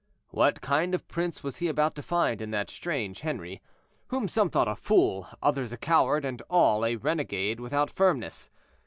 What kind of prince was he about to find in that strange Henri, whom some thought a fool, others a coward, and all a renegade without firmness.